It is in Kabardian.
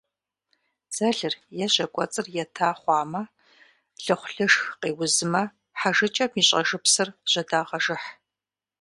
Дзэлыр е жьэ кӏуэцӏыр ета хъуамэ, лыхъулышх къеузмэ, хьэжыкӏэм и щӏэжыпсыр жьэдагъэжыхь.